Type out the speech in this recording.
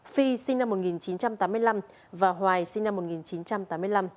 phi sinh năm một nghìn chín trăm tám mươi năm và hoài sinh năm một nghìn chín trăm tám mươi năm